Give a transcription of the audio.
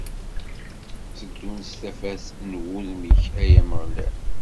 Tteddun s tafat n wudem-ik, ay Ameɣlal!